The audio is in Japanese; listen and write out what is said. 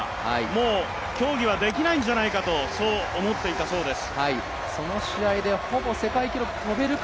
もう競技はできないんじゃないかと思っていたそうです。